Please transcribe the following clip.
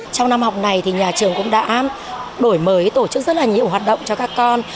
trong năm học này thì nhà trường cũng đã đổi mới tổ chức rất là nhiều hoạt động cho các con